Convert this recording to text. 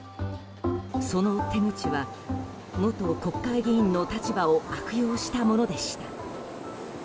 その手口は元国会議員の立場を悪用したものでした。